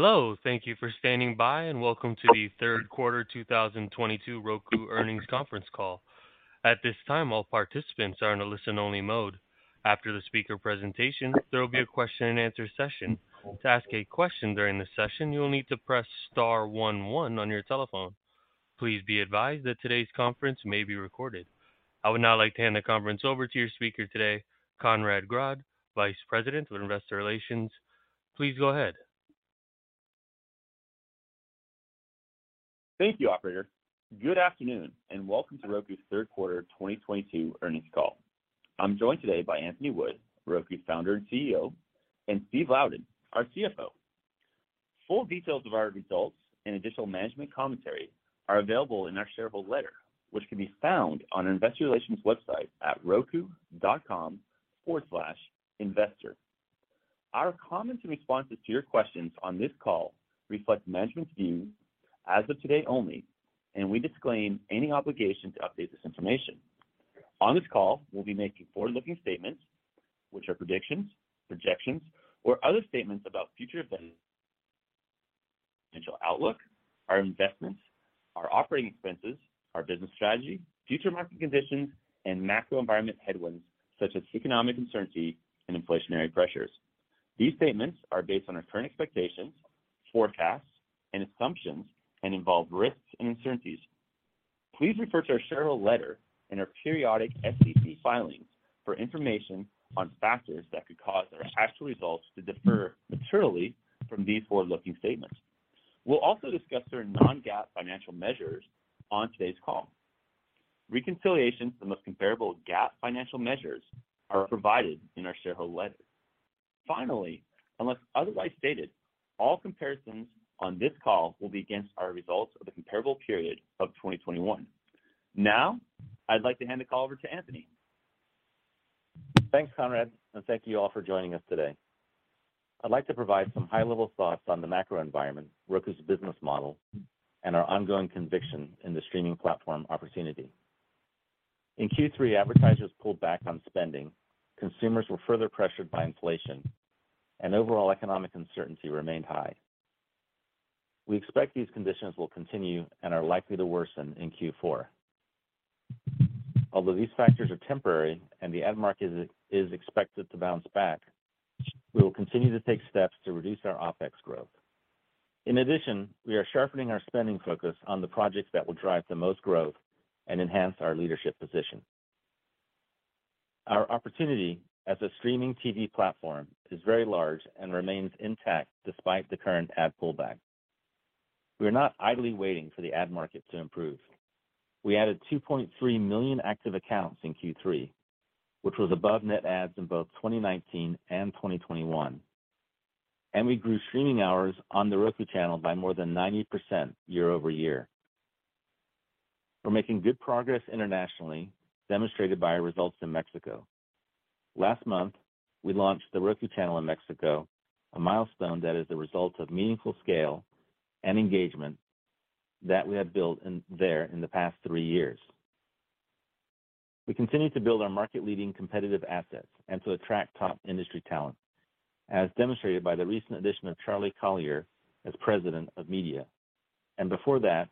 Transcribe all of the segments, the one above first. Hello, thank you for standing by, and welcome to the Third Quarter 2022 Roku Earnings Conference Call. At this time, all participants are in a listen-only mode. After the speaker presentation, there will be a question-and-answer session. To ask a question during the session, you will need to press star one one on your telephone. Please be advised that today's conference may be recorded. I would now like to hand the conference over to your speaker today, Conrad Grodd, Vice President of Investor Relations. Please go ahead. Thank you, operator. Good afternoon, and welcome to Roku's Third Quarter 2022 Earnings Call. I'm joined today by Anthony Wood, Roku's founder and CEO, and Steve Louden, our CFO. Full details of our results and additional management commentary are available in our shareholder letter, which can be found on a Investor Relations website at roku.com/investor. Our comments and responses to your questions on this call reflect management's view as of today only, and we disclaim any obligation to update this information. On this call, we'll be making forward-looking statements, which are predictions, projections, or other statements about future events, potential outlook, our investments, our operating expenses, our business strategy, future market conditions, and macro environment headwinds such as economic uncertainty and inflationary pressures. These statements are based on our current expectations, forecasts, and assumptions and involve risks and uncertainties. Please refer to our shareholder letter and our periodic SEC filings for information on factors that could cause our actual results to differ materially from these forward-looking statements. We'll also discuss our non-GAAP financial measures on today's call. Reconciliations to the most comparable GAAP financial measures are provided in our shareholder letter. Finally, unless otherwise stated, all comparisons on this call will be against our results of the comparable period of 2021. Now, I'd like to hand the call over to Anthony. Thanks, Conrad, and thank you all for joining us today. I'd like to provide some high-level thoughts on the macro environment, Roku's business model, and our ongoing conviction in the streaming platform opportunity. In Q3, advertisers pulled back on spending, consumers were further pressured by inflation, and overall economic uncertainty remained high. We expect these conditions will continue and are likely to worsen in Q4. Although these factors are temporary and the ad market is expected to bounce back, we will continue to take steps to reduce our OpEx growth. In addition, we are sharpening our spending focus on the projects that will drive the most growth and enhance our leadership position. Our opportunity as a streaming TV platform is very large and remains intact despite the current ad pullback. We are not idly waiting for the ad market to improve. We added 2.3 million active accounts in Q3, which was above net adds in both 2019 and 2021, and we grew streaming hours on The Roku Channel by more than 90% year-over-year. We're making good progress internationally, demonstrated by our results in Mexico. Last month, we launched The Roku Channel in Mexico, a milestone that is the result of meaningful scale and engagement that we have built in there in the past three years. We continue to build our market-leading competitive assets and to attract top industry talent, as demonstrated by the recent addition of Charlie Collier as President of Media. Before that,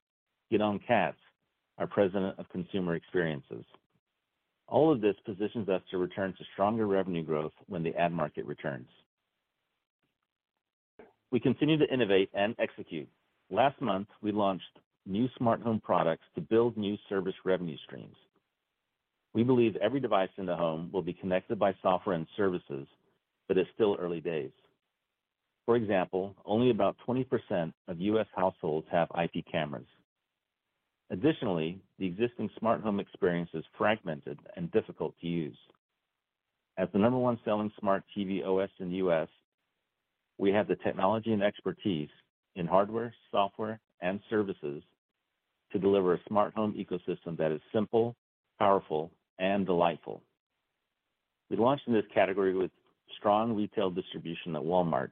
Gidon Katz, our President of Consumer Experiences. All of this positions us to return to stronger revenue growth when the ad market returns. We continue to innovate and execute. Last month, we launched new smart home products to build new service revenue streams. We believe every device in the home will be connected by software and services, but it's still early days. For example, only about 20% of U.S. households have IP cameras. Additionally, the existing smart home experience is fragmented and difficult to use. As the number one selling smart TV OS in the U.S., we have the technology and expertise in hardware, software and services to deliver a smart home ecosystem that is simple, powerful, and delightful. We launched in this category with strong retail distribution at Walmart,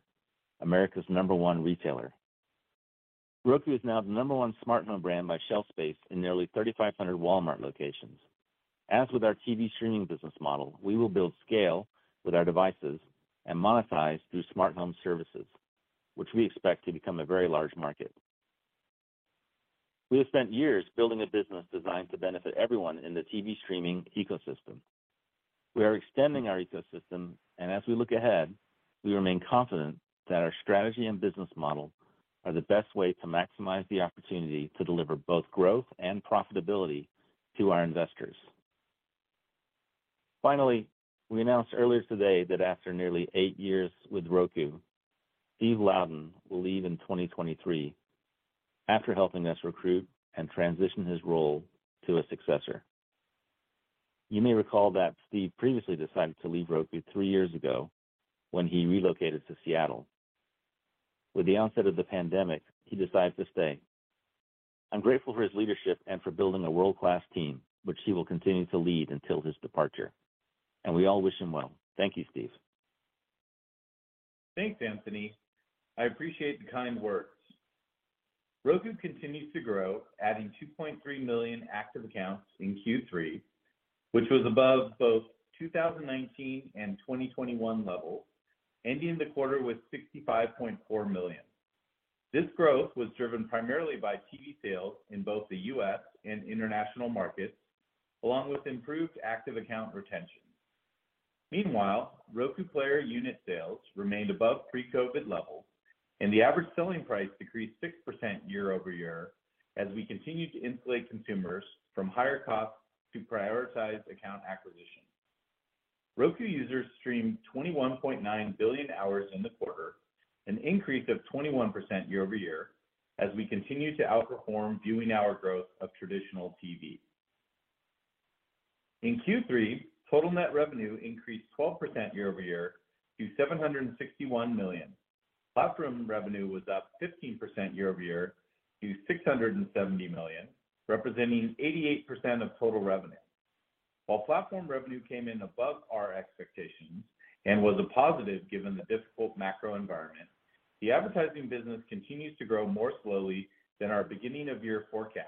America's number one retailer. Roku is now the number one smart home brand by shelf space in nearly 3,500 Walmart locations. As with our TV streaming business model, we will build scale with our devices and monetize through smart home services, which we expect to become a very large market. We have spent years building a business designed to benefit everyone in the TV streaming ecosystem. We are extending our ecosystem, and as we look ahead, we remain confident that our strategy and business model are the best way to maximize the opportunity to deliver both growth and profitability to our investors. Finally, we announced earlier today that after nearly eight years with Roku, Steve Louden will leave in 2023 after helping us recruit and transition his role to a successor. You may recall that Steve previously decided to leave Roku three years ago when he relocated to Seattle. With the onset of the pandemic, he decided to stay. I'm grateful for his leadership and for building a world-class team, which he will continue to lead until his departure. We all wish him well. Thank you, Steve. Thanks, Anthony. I appreciate the kind words. Roku continues to grow, adding 2.3 million active accounts in Q3, which was above both 2019 and 2021 levels, ending the quarter with 65.4 million. This growth was driven primarily by TV sales in both the U.S. and international markets, along with improved active account retention. Meanwhile, Roku player unit sales remained above pre-COVID levels, and the average selling price decreased 6% year-over-year as we continue to insulate consumers from higher costs to prioritize account acquisition. Roku users streamed 21.9 billion hours in the quarter, an increase of 21% year-over-year as we continue to outperform viewing hour growth of traditional TV. In Q3, total net revenue increased 12% year-over-year to $761 million. Platform revenue was up 15% year-over-year to $670 million, representing 88% of total revenue. While platform revenue came in above our expectations and was a positive given the difficult macro environment, the advertising business continues to grow more slowly than our beginning-of-year forecast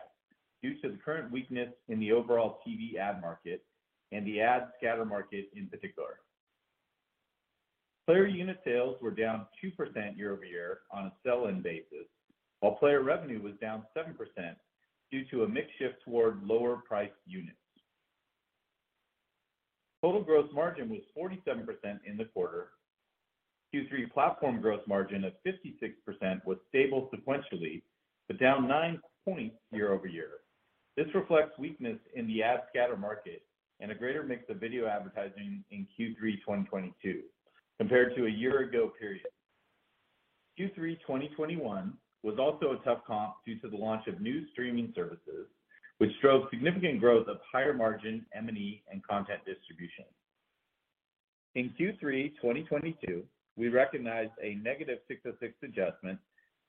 due to the current weakness in the overall TV ad market and the ad scatter market in particular. Player unit sales were down 2% year-over-year on a sell-in basis, while player revenue was down 7% due to a mix shift toward lower-priced units. Total gross margin was 47% in the quarter. Q3 platform gross margin of 56% was stable sequentially, but down 9 points year-over-year. This reflects weakness in the ad scatter market and a greater mix of video advertising in Q3 2022 compared to a year-ago period. Q3 2021 was also a tough comp due to the launch of new streaming services, which drove significant growth of higher margin M&E and content distribution. In Q3 2022, we recognized a -606 adjustment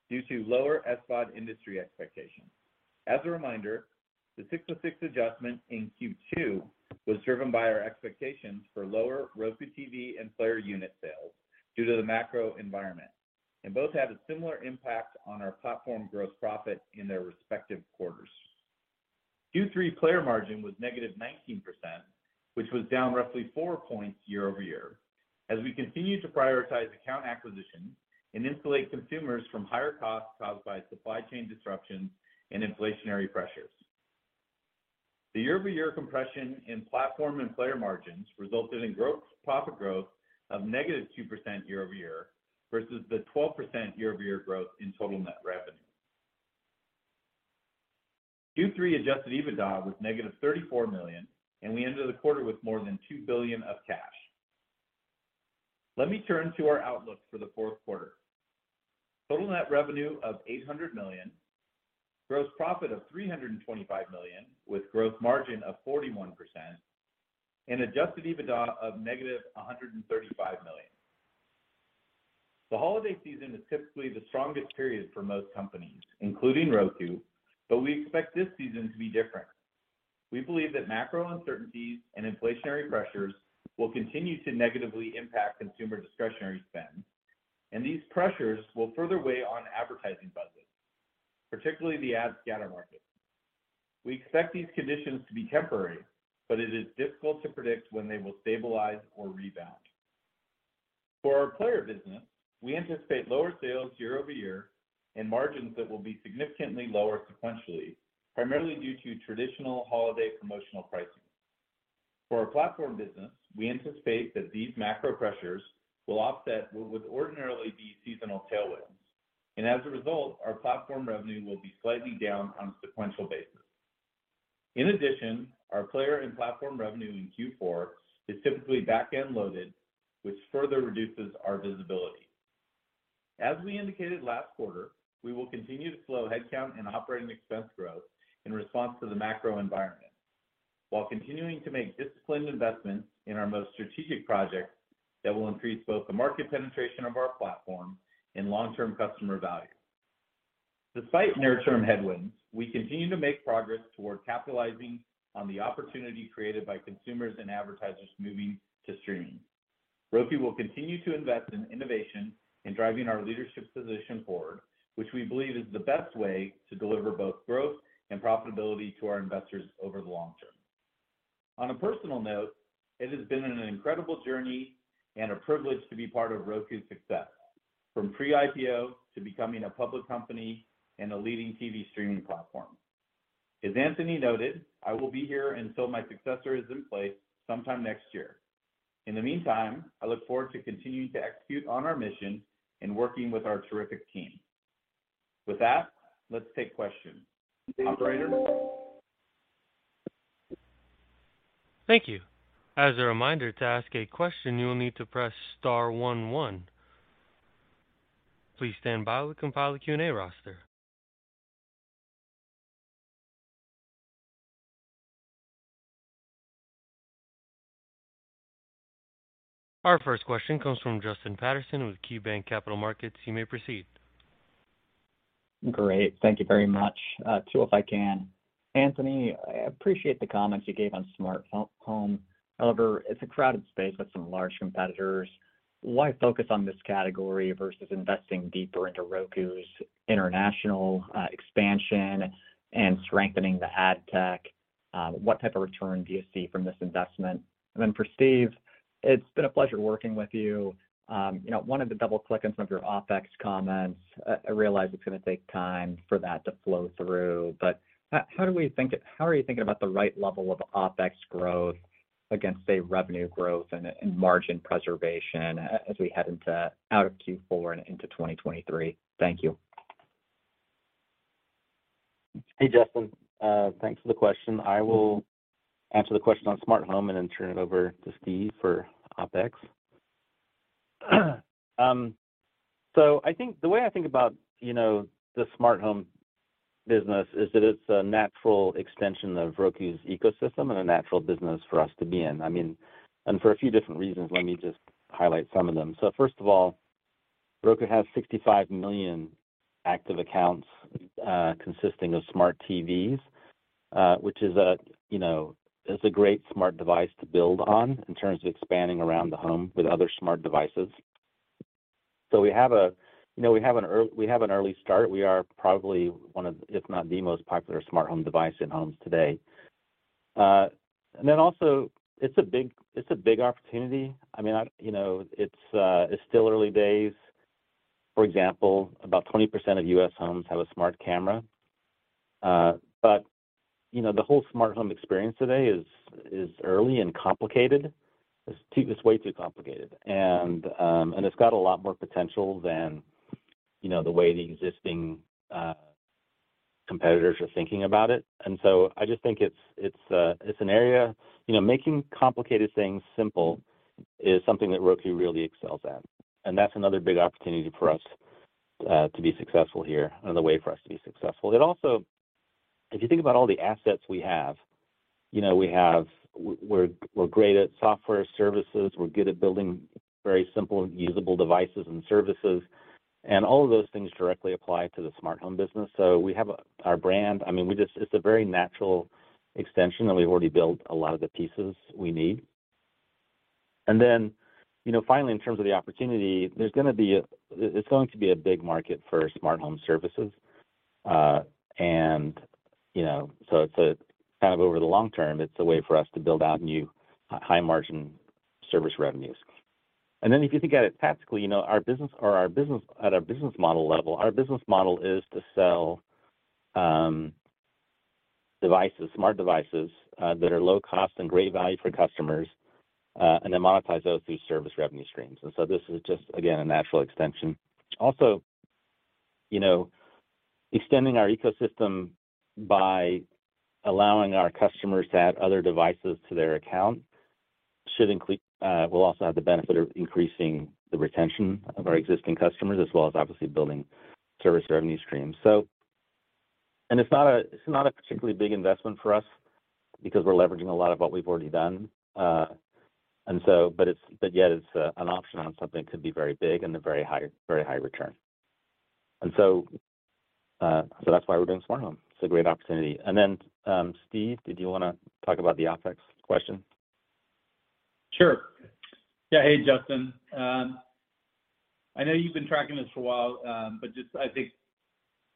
due to lower SVOD industry expectations. As a reminder, the 606 adjustment in Q2 was driven by our expectations for lower Roku TV and player unit sales due to the macro environment, and both had a similar impact on our platform gross profit in their respective quarters. Q3 player margin was -19%, which was down roughly 4 points year-over-year as we continue to prioritize account acquisition and insulate consumers from higher costs caused by supply chain disruptions and inflationary pressures. The year-over-year compression in platform and player margins resulted in gross profit growth of -2% year-over-year versus the 12% year-over-year growth in total net revenue. Q3 Adjusted EBITDA was -$34 million, and we ended the quarter with more than $2 billion of cash. Let me turn to our outlook for the fourth quarter. Total net revenue of $800 million, gross profit of $325 million with gross margin of 41% and adjusted EBITDA of -$135 million. The holiday season is typically the strongest period for most companies, including Roku, but we expect this season to be different. We believe that macro uncertainties and inflationary pressures will continue to negatively impact consumer discretionary spend, and these pressures will further weigh on advertising budgets, particularly the ad scatter market. We expect these conditions to be temporary, but it is difficult to predict when they will stabilize or rebound. For our player business, we anticipate lower sales year-over-year and margins that will be significantly lower sequentially, primarily due to traditional holiday promotional pricing. For our platform business, we anticipate that these macro pressures will offset what would ordinarily be seasonal tailwinds. As a result, our platform revenue will be slightly down on a sequential basis. In addition, our player and platform revenue in Q4 is typically back-end loaded, which further reduces our visibility. As we indicated last quarter, we will continue to slow headcount and operating expense growth in response to the macro environment, while continuing to make disciplined investments in our most strategic projects that will increase both the market penetration of our platform and long-term customer value. Despite near-term headwinds, we continue to make progress toward capitalizing on the opportunity created by consumers and advertisers moving to streaming. Roku will continue to invest in innovation and driving our leadership position forward, which we believe is the best way to deliver both growth and profitability to our investors over the long term. On a personal note, it has been an incredible journey and a privilege to be part of Roku's success, from pre-IPO to becoming a public company and a leading TV streaming platform. As Anthony noted, I will be here until my successor is in place sometime next year. In the meantime, I look forward to continuing to execute on our mission and working with our terrific team. With that, let's take questions. Operator? Thank you. As a reminder, to ask a question, you will need to press star one one. Please stand by while we compile the Q&A roster. Our first question comes from Justin Patterson with KeyBanc Capital Markets. You may proceed. Great. Thank you very much. Two, if I can, Anthony, I appreciate the comments you gave on Smart Home. However, it's a crowded space with some large competitors. Why focus on this category versus investing deeper into Roku's international expansion and strengthening the ad tech? What type of return do you see from this investment? Then for Steve, it's been a pleasure working with you. You know, wanted to double-click on some of your OpEx comments. I realize it's gonna take time for that to flow through, but how are you thinking about the right level of OpEx growth against, say, revenue growth and margin preservation as we head into out of Q4 and into 2023? Thank you. Hey, Justin. Thanks for the question. I will answer the question on Smart Home and then turn it over to Steve for OpEx. I think the way I think about, you know, the Smart Home business is that it's a natural extension of Roku's ecosystem and a natural business for us to be in. I mean, for a few different reasons. Let me just highlight some of them. First of all, Roku has 65 million active accounts, consisting of smart TVs, which, you know, is a great smart device to build on in terms of expanding around the home with other smart devices. We have, you know, an early start. We are probably one of, if not the most popular Smart Home device in homes today. It's a big opportunity. I mean, you know, it's still early days. For example, about 20% of U.S. homes have a smart camera. You know, the whole smart home experience today is early and complicated. It's way too complicated. It's got a lot more potential than, you know, the way the existing competitors are thinking about it. I just think it's an area. You know, making complicated things simple is something that Roku really excels at, and that's another big opportunity for us to be successful here, another way for us to be successful. It also, if you think about all the assets we have, you know, we have We're great at software services, we're good at building very simple and usable devices and services, and all of those things directly apply to the Smart Home business. We have our brand. I mean, it's a very natural extension, and we've already built a lot of the pieces we need. You know, finally, in terms of the opportunity, there's going to be a big market for Smart Home services. You know, to kind of over the long term, it's a way for us to build out new high-margin service revenues. Then if you think about it tactically, you know, at our business model level, our business model is to sell, devices, smart devices, that are low cost and great value for customers, and then monetize those through service revenue streams. This is just, again, a natural extension. Also, you know, extending our ecosystem by allowing our customers to add other devices to their account will also have the benefit of increasing the retention of our existing customers, as well as obviously building service revenue streams. It's not a particularly big investment for us because we're leveraging a lot of what we've already done. But yet it's an option on something that could be very big and a very high return. That's why we're doing Smart Home. It's a great opportunity. Steve, did you wanna talk about the OpEx question? Sure. Yeah. Hey, Justin. I know you've been tracking this for a while, but just I think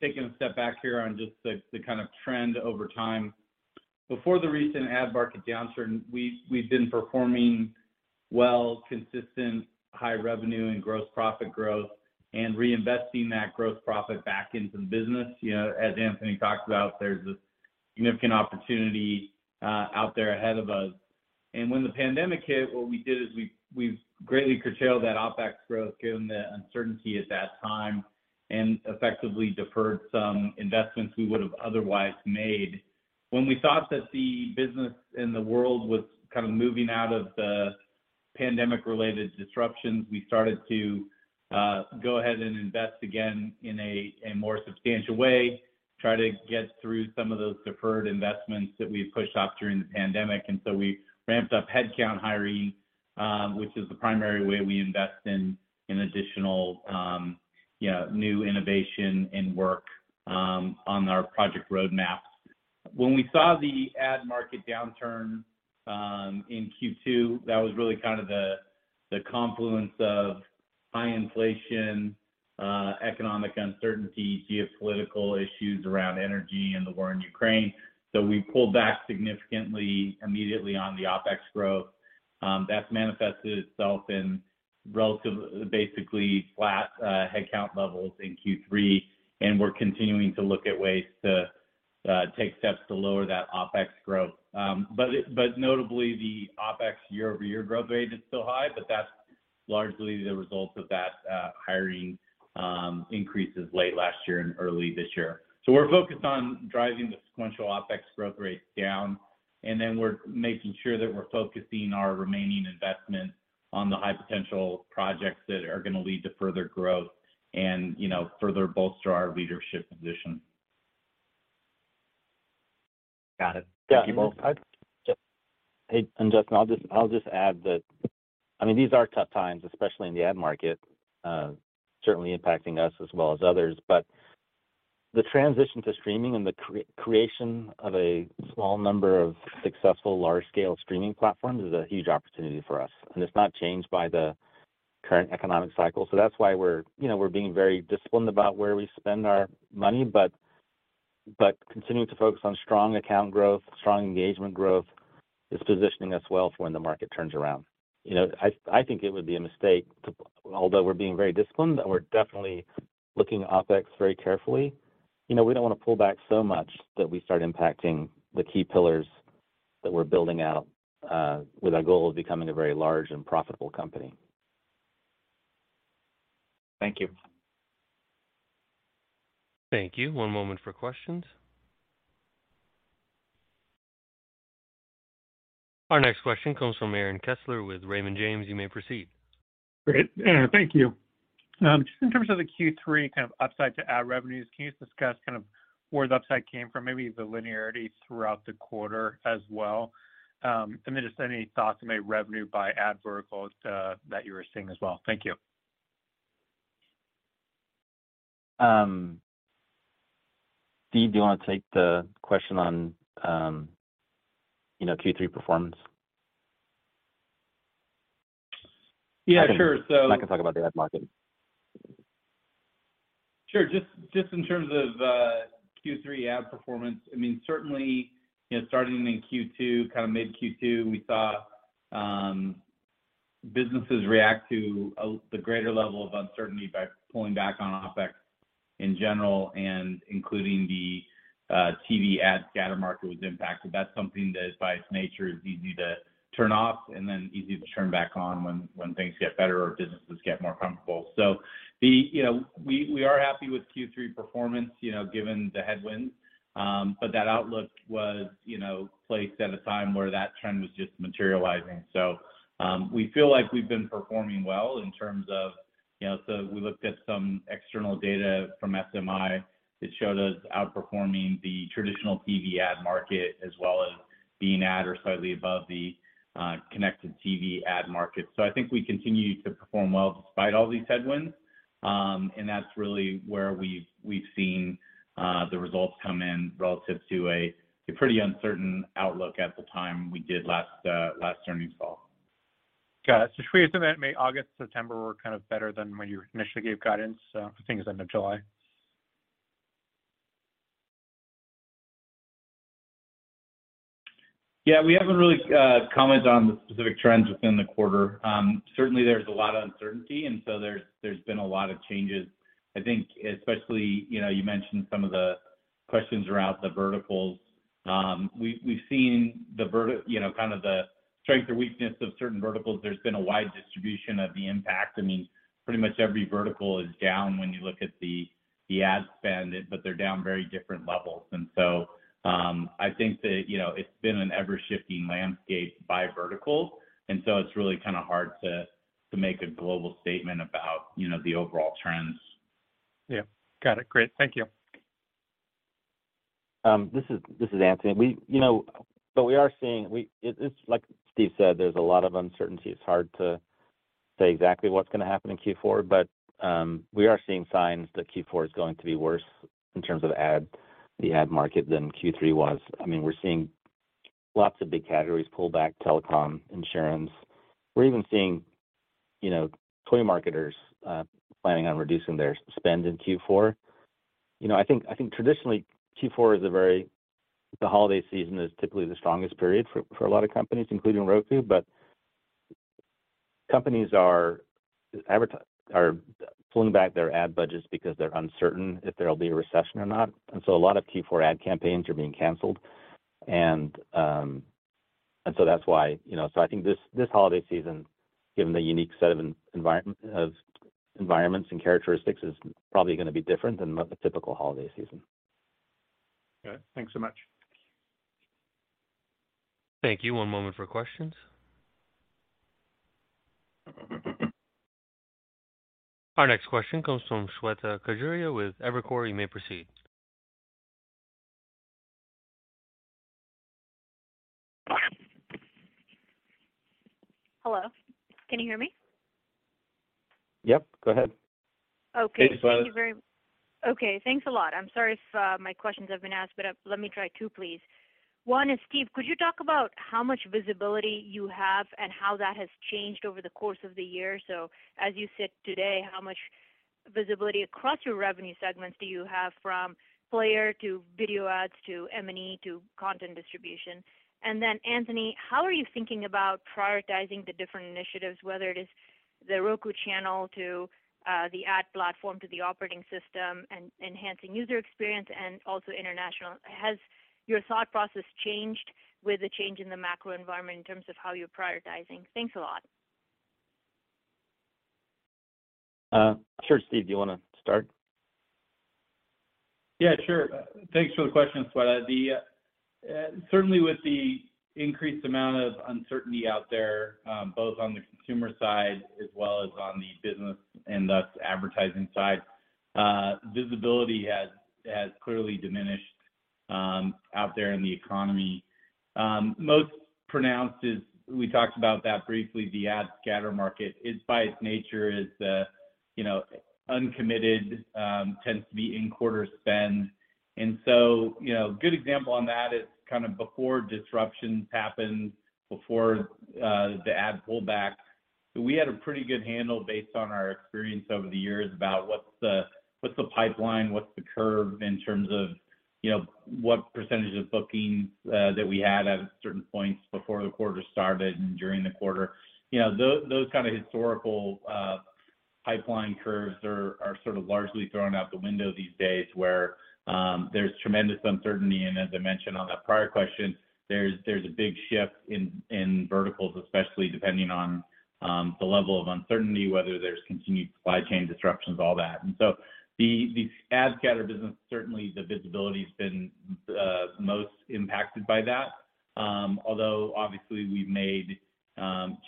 taking a step back here on just the kind of trend over time. Before the recent ad market downturn, we've been performing well, consistent high revenue and gross profit growth, and reinvesting that gross profit back into the business. You know, as Anthony talked about, there's a significant opportunity out there ahead of us. When the pandemic hit, what we did is we've greatly curtailed that OpEx growth given the uncertainty at that time, and effectively deferred some investments we would've otherwise made. When we thought that the business and the world was kind of moving out of the pandemic-related disruptions, we started to go ahead and invest again in a more substantial way, try to get through some of those deferred investments that we've pushed off during the pandemic. We ramped up headcount hiring, which is the primary way we invest in additional you know new innovation and work on our project roadmaps. When we saw the ad market downturn in Q2, that was really kind of the confluence of high inflation economic uncertainty, geopolitical issues around energy and the war in Ukraine. We pulled back significantly immediately on the OpEx growth. That's manifested itself in relative basically flat headcount levels in Q3. We're continuing to look at ways to take steps to lower that OpEx growth. But notably, the OpEx year-over-year growth rate is still high, but that's largely the result of that hiring increases late last year and early this year. We're focused on driving the sequential OpEx growth rate down, and then we're making sure that we're focusing our remaining investment on the high-potential projects that are gonna lead to further growth and, you know, further bolster our leadership position. Got it. Thank you both. Hey, Justin. I'll just add that, I mean, these are tough times, especially in the ad market, certainly impacting us as well as others. The transition to streaming and the creation of a small number of successful large-scale streaming platforms is a huge opportunity for us, and it's not changed by the current economic cycle. That's why we're, you know, being very disciplined about where we spend our money, but continuing to focus on strong account growth, strong engagement growth, is positioning us well for when the market turns around. You know, I think it would be a mistake to, although we're being very disciplined, and we're definitely looking at OpEx very carefully, you know, we don't wanna pull back so much that we start impacting the key pillars that we're building out, with our goal of becoming a very large and profitable company. Thank you. Thank you. One moment for questions. Our next question comes from Aaron Kessler with Raymond James. You may proceed. Great. Thank you. Just in terms of the Q3 kind of upside to ad revenues, can you discuss kind of where the upside came from, maybe the linearity throughout the quarter as well? Just any thoughts on maybe revenue by ad verticals, that you were seeing as well? Thank you. Steve, do you wanna take the question on, you know, Q3 performance? Yeah, sure. I can talk about the ad market. Sure. Just in terms of Q3 ad performance, I mean, certainly, you know, starting in Q2, kind of mid-Q2, we saw businesses react to the greater level of uncertainty by pulling back on OpEx in general, and including the TV ad scatter market was impacted. That's something that by its nature is easy to turn off and then easy to turn back on when things get better or businesses get more comfortable. You know, we are happy with Q3 performance, you know, given the headwinds, but that outlook was, you know, placed at a time where that trend was just materializing. We feel like we've been performing well in terms of, you know, we looked at some external data from SMI that showed us outperforming the traditional TV ad market, as well as being at or slightly above the connected TV ad market. I think we continue to perform well despite all these headwinds. That's really where we've seen the results come in relative to a pretty uncertain outlook at the time we did last earnings call. Got it. Should we assume that maybe August, September were kind of better than when you initially gave guidance, I think it was end of July? Yeah, we haven't really commented on the specific trends within the quarter. Certainly there's a lot of uncertainty, and so there's been a lot of changes. I think especially, you know, you mentioned some of the questions around the verticals. We've seen you know, kind of the strength or weakness of certain verticals. There's been a wide distribution of the impact. I mean, pretty much every vertical is down when you look at the ad spend, but they're down very different levels. I think that, you know, it's been an ever-shifting landscape by vertical. It's really kinda hard to make a global statement about, you know, the overall trends. Yeah. Got it. Great. Thank you. This is Anthony. We are seeing. It's like Steve said, there's a lot of uncertainty. It's hard to say exactly what's gonna happen in Q4. We are seeing signs that Q4 is going to be worse in terms of the ad market than Q3 was. I mean, we're seeing lots of big categories pull back, telecom, insurance. We're even seeing, you know, toy marketers planning on reducing their spend in Q4. You know, I think traditionally, The holiday season is typically the strongest period for a lot of companies, including Roku, but companies are pulling back their ad budgets because they're uncertain if there'll be a recession or not. A lot of Q4 ad campaigns are being canceled. That's why, you know. I think this holiday season, given the unique set of environments and characteristics, is probably gonna be different than the typical holiday season. Okay. Thanks so much. Thank you. One moment for questions. Our next question comes from Shweta Khajuria with Evercore ISI. You may proceed. Hello. Can you hear me? Yeah. Go ahead. Okay. Hey, Shweta. Thank you. Okay. Thanks a lot. I'm sorry if my questions have been asked, but let me try two, please. One is, Steve, could you talk about how much visibility you have and how that has changed over the course of the year? So as you sit today, how much visibility across your revenue segments do you have from player to video ads to M&E to content distribution? And then, Anthony, how are you thinking about prioritizing the different initiatives, whether it is The Roku Channel to the ad platform, to the operating system and enhancing user experience and also international? Has your thought process changed with the change in the macro environment in terms of how you're prioritizing? Thanks a lot. Sure. Steve, do you wanna start? Yeah, sure. Thanks for the question, Shweta. Certainly with the increased amount of uncertainty out there, both on the consumer side as well as on the business and thus advertising side, visibility has clearly diminished out there in the economy. Most pronounced is, we talked about that briefly, the ad scatter market is by its nature, you know, uncommitted, tends to be in-quarter spend. You know, good example on that is kind of before disruptions happened, before the ad pullback, we had a pretty good handle based on our experience over the years about what's the pipeline, what's the curve in terms of, you know, what percentage of bookings that we had at certain points before the quarter started and during the quarter. You know, those kind of historical pipeline curves are sort of largely thrown out the window these days, where there's tremendous uncertainty. As I mentioned on that prior question, there's a big shift in verticals, especially depending on the level of uncertainty, whether there's continued supply chain disruptions, all that. The ad scatter business, certainly the visibility's been most impacted by that. Although obviously we've made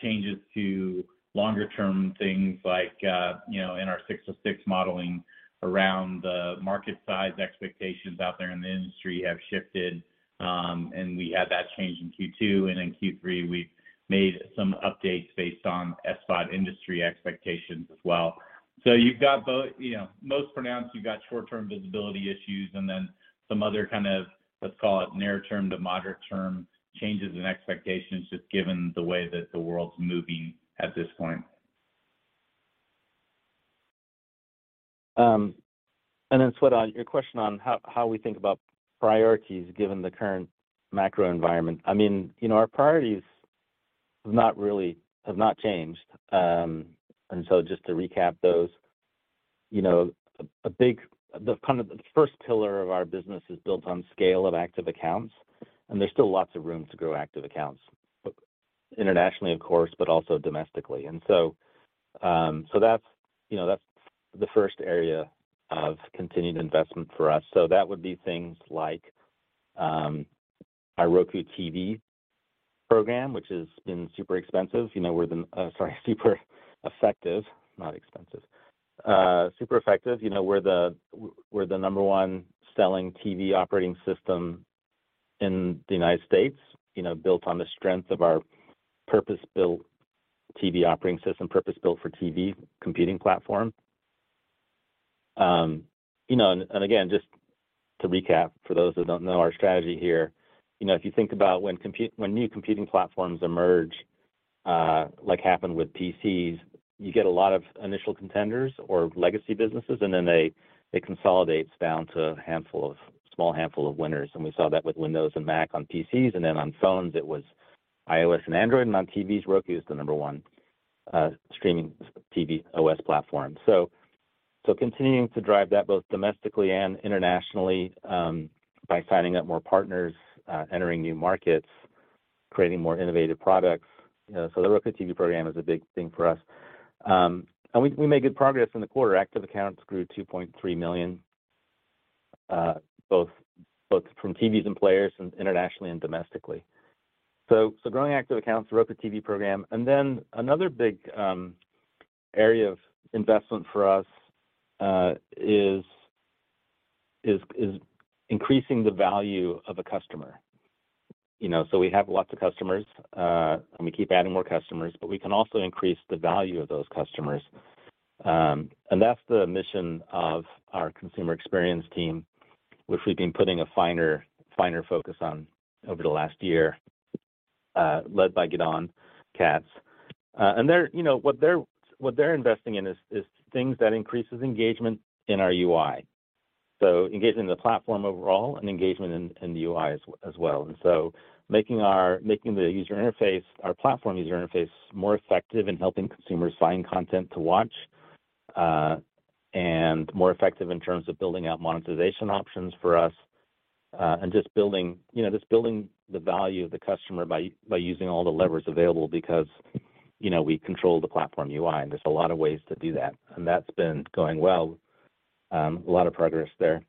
changes to longer term things like, you know, in our 606 modeling around the market size expectations out there in the industry have shifted. We had that change in Q2, and in Q3 we've made some updates based on SVOD industry expectations as well. You've got both, you know, most pronounced, you've got short-term visibility issues and then some other kind of, let's call it near-term to moderate-term changes in expectations, just given the way that the world's moving at this point. Shweta, on your question on how we think about priorities given the current macro environment. I mean, you know, our priorities have not really changed. Just to recap those, you know, the kind of the first pillar of our business is built on scale of active accounts, and there's still lots of room to grow active accounts internationally of course, but also domestically. That's, you know, the first area of continued investment for us. That would be things like, our Roku TV program, which has been super effective. You know, we're the number one selling TV operating system in the United States. You know, built on the strength of our purpose-built TV operating system, purpose-built for TV computing platform. You know, and again, just to recap, for those that don't know our strategy here, you know, if you think about when new computing platforms emerge, like happened with PCs, you get a lot of initial contenders or legacy businesses, and then they, it consolidates down to a handful of, small handful of winners. We saw that with Windows and Mac on PCs, and then on phones it was iOS and Android, and on TVs, Roku is the number one streaming TV OS platform. So continuing to drive that both domestically and internationally, by signing up more partners, entering new markets, creating more innovative products. You know, the Roku TV program is a big thing for us. We made good progress in the quarter. Active accounts grew 2.3 million, both from TVs and players, internationally and domestically. Growing active accounts, the Roku TV program. Another big area of investment for us is increasing the value of a customer. You know, we have lots of customers, and we keep adding more customers, but we can also increase the value of those customers. That's the mission of our consumer experience team, which we've been putting a finer focus on over the last year, led by Gidon Katz. They're, you know, what they're investing in is things that increases engagement in our UI. Engagement in the platform overall and engagement in the UI as well. Making the user interface, our platform user interface more effective in helping consumers find content to watch. More effective in terms of building out monetization options for us. Just building you know the value of the customer by using all the levers available because you know we control the platform UI, and there's a lot of ways to do that. That's been going well. A lot of progress there.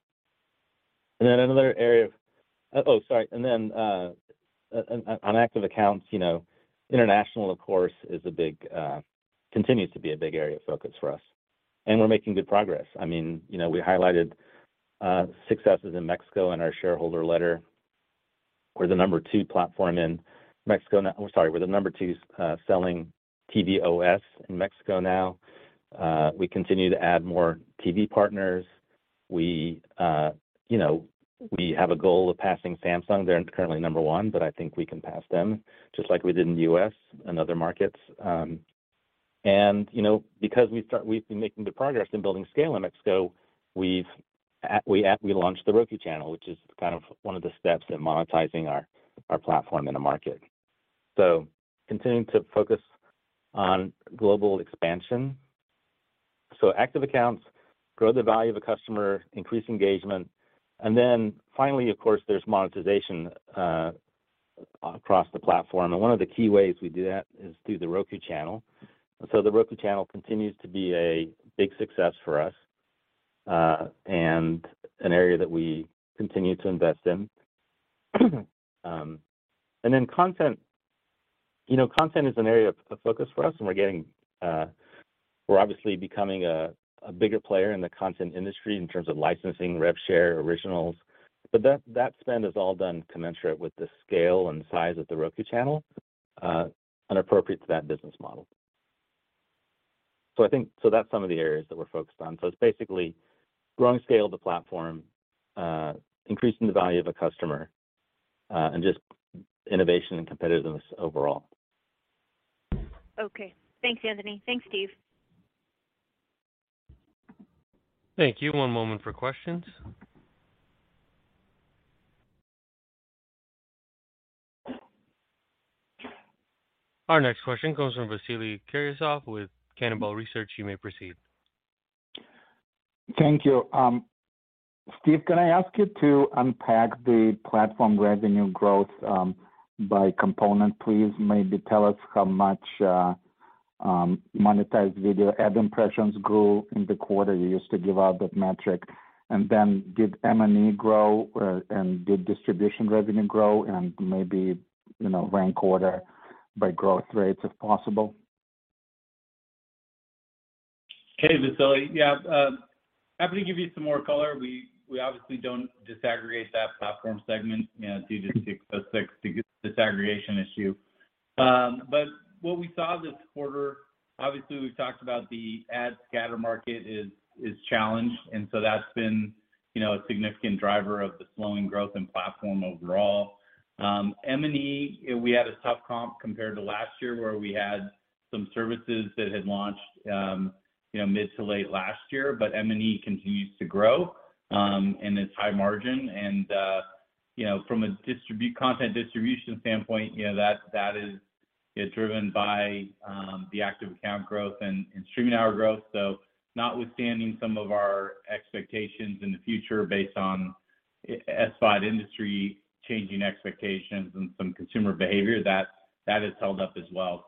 On active accounts, you know, international of course continues to be a big area of focus for us, and we're making good progress. I mean, you know, we highlighted successes in Mexico in our shareholder letter. We're the number two platform in Mexico now. I'm sorry, we're the number two selling TV OS in Mexico now. We continue to add more TV partners. You know, we have a goal of passing Samsung. They're currently number one, but I think we can pass them just like we did in the U.S. and other markets. You know, because we've been making good progress in building scale in Mexico, we've launched The Roku Channel, which is kind of one of the steps in monetizing our platform in the market. Continuing to focus on global expansion. Active accounts, grow the value of a customer, increase engagement. Then finally, of course, there's monetization across the platform. One of the key ways we do that is through The Roku Channel. The Roku Channel continues to be a big success for us, and an area that we continue to invest in. You know, content is an area of focus for us, and we're getting, we're obviously becoming a bigger player in the content industry in terms of licensing, rev share, originals. But that spend is all done commensurate with the scale and size of The Roku Channel, and appropriate to that business model. I think that's some of the areas that we're focused on. It's basically growing scale of the platform, increasing the value of a customer, and just innovation and competitiveness overall. Okay. Thanks, Anthony. Thanks, Steve. Thank you. One moment for questions. Our next question comes from Vasily Karasyov with Cannonball Research. You may proceed. Thank you. Steve, can I ask you to unpack the platform revenue growth by component, please? Maybe tell us how much monetized video ad impressions grew in the quarter. You used to give out that metric. Did M&E grow, and did distribution revenue grow? Maybe, you know, rank order by growth rates, if possible. Hey, Vasily. Yeah, happy to give you some more color. We obviously don't disaggregate that platform segment, you know, due to ASC 606 disaggregation issue. What we saw this quarter, obviously, we've talked about the ad scatter market is challenged, and so that's been, you know, a significant driver of the slowing growth in platform overall. M&E, we had a tough comp compared to last year where we had some services that had launched, you know, mid to late last year, but M&E continues to grow, and it's high margin. You know, from a content distribution standpoint, you know, that is driven by the active account growth and streaming hour growth. Notwithstanding some of our expectations in the future based on SVOD industry changing expectations and some consumer behavior, that has held up as well.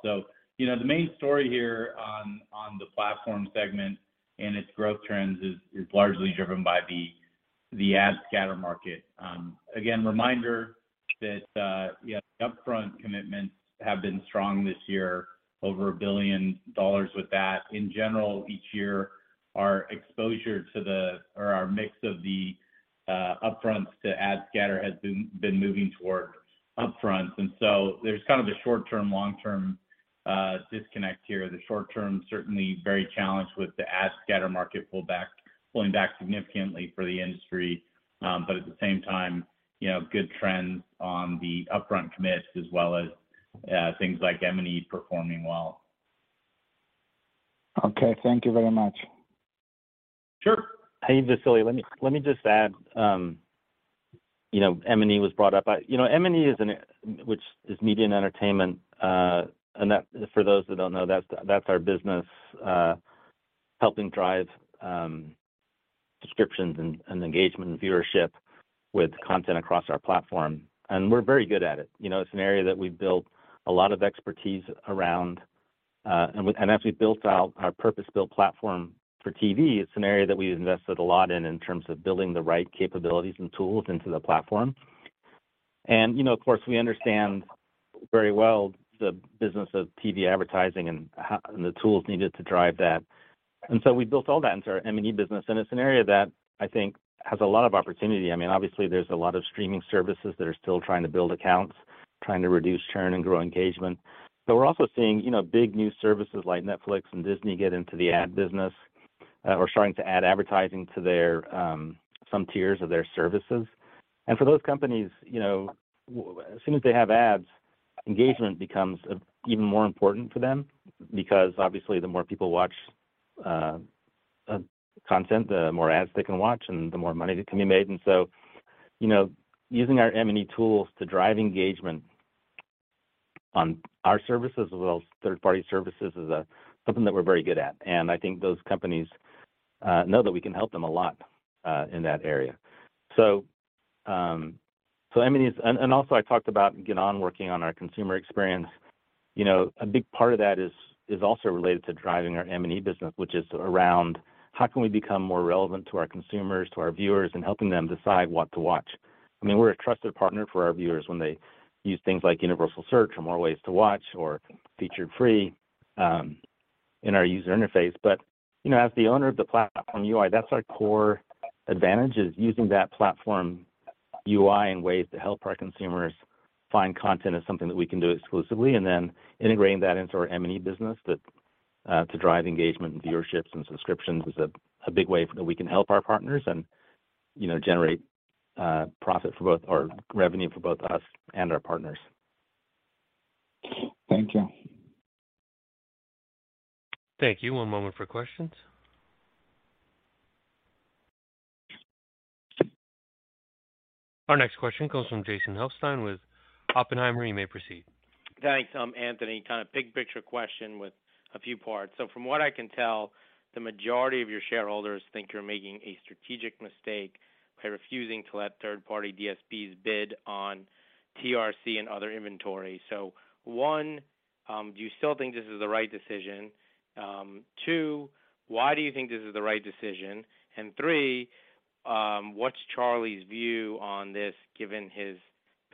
You know, the main story here on the Platform segment and its growth trends is largely driven by the ad scatter market. Again, reminder that you know, upfront commitments have been strong this year, over $1 billion with that. In general, each year, our exposure to the or our mix of the upfronts to ad scatter has been moving toward upfront. There's kind of a short-term, long-term disconnect here. The short-term certainly very challenged with the ad scatter market pullback, pulling back significantly for the industry. But at the same time, you know, good trends on the upfront commits as well as things like M&E performing well. Okay. Thank you very much. Sure. Hey, Vasily. Let me just add, you know, M&E was brought up. You know, M&E, which is media and entertainment, and that for those that don't know, that's our business, helping drive subscriptions, and engagement and viewership with content across our platform. We're very good at it. You know, it's an area that we've built a lot of expertise around, and as we built out our purpose-built platform for TV, it's an area that we invested a lot in terms of building the right capabilities and tools into the platform. You know, of course, we understand very well the business of TV advertising and the tools needed to drive that. We built all that into our M&E business, and it's an area that I think has a lot of opportunity. I mean, obviously there's a lot of streaming services that are still trying to build accounts, trying to reduce churn and grow engagement. We're also seeing, you know, big new services like Netflix and Disney get into the ad business, or starting to add advertising to their, some tiers of their services. For those companies, you know, as soon as they have ads, engagement becomes even more important for them because obviously the more people watch, content, the more ads they can watch and the more money that can be made. Using our M&E tools to drive engagement on our services as well as third-party services is, something that we're very good at. I think those companies, know that we can help them a lot, in that area. M&E is-- Also I talked about Gidon working on our consumer experience. You know, a big part of that is also related to driving our M&E business, which is around how can we become more relevant to our consumers, to our viewers, and helping them decide what to watch. I mean, we're a trusted partner for our viewers when they use things like universal search or more ways to watch or featured free in our user interface. You know, as the owner of the platform UI, that's our core advantage is using that platform UI in ways to help our consumers find content is something that we can do exclusively, and then integrating that into our M&E business that to drive engagement and viewerships and subscriptions is a big way that we can help our partners and, you know, generate profit for both, or revenue for both us and our partners. Thank you. Thank you. One moment for questions. Our next question comes from Jason Helfstein with Oppenheimer. You may proceed. Thanks, Anthony. Kind of big picture question with a few parts. From what I can tell, the majority of your shareholders think you're making a strategic mistake by refusing to let third-party DSPs bid on TRC and other inventory. One, do you still think this is the right decision? Two, why do you think this is the right decision? And three what's Charlie's view on this, given his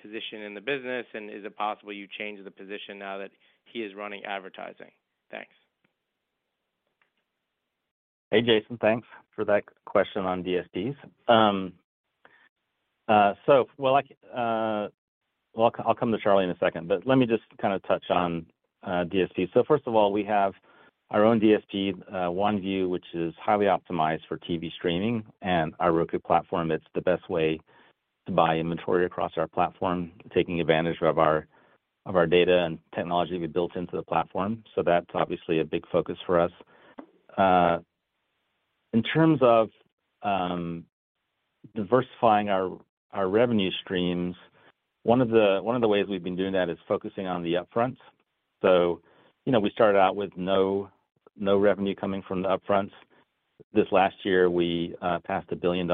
position in the business? Is it possible you change the position now that he is running advertising? Thanks. Hey, Jason, thanks for that question on DSPs. I'll come to Charlie in a second, but let me just kinda touch on DSPs. First of all, we have our own DSP, OneView, which is highly optimized for TV streaming and our Roku platform. It's the best way to buy inventory across our platform, taking advantage of our data and technology we built into the platform. That's obviously a big focus for us. In terms of diversifying our revenue streams, one of the ways we've been doing that is focusing on the upfronts. You know, we started out with no revenue coming from the upfronts. This last year, we passed $1 billion